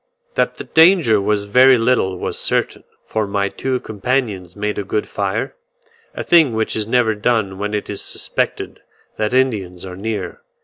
That the danger was very little was certain, for my two companions made a good fire a thing which is never done when it is suspected that Indians are near.